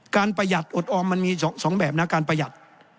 ประหยัดอดออมมันมี๒แบบนะการประหยัด